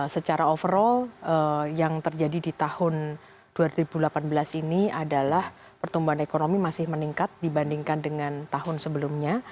secara overall yang terjadi di tahun dua ribu delapan belas ini adalah pertumbuhan ekonomi masih meningkat dibandingkan dengan tahun sebelumnya